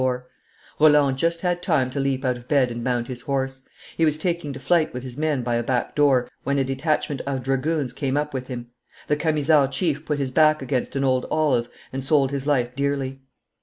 Roland just had time to leap out of bed and mount his horse; he was taking to flight with his men by a back door when a detachment of dragoons came up with him; the Camisard chief put his back against an old olive and sold his life dearly.